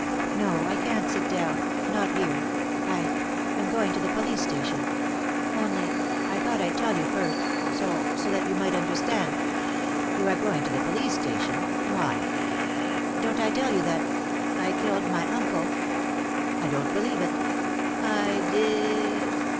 " No, I can't sit down ; not here ; I — am going to the police station; only — I thought I'd tell you first, so — so that you might understand." " You are going to the police station ? Why t" "Don't I tell you that— I killed my uncle." " I don't believe it" "I did!"